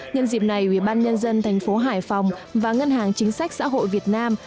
nhân dịp này ủy ban nhân dân thành phố hải phòng và ngân hàng chính sách xã hội việt nam